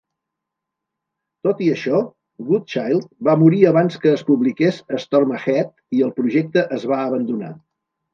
Tot i això, Goodchild va morir abans que es publiqués "Storm Ahead" i el projecte es va abandonar.